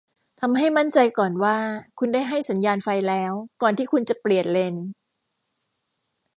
ทำให้มั่นใจก่อนว่าคุณได้ให้สัญญาณไฟแล้วก่อนที่คุณจะเปลี่ยนเลน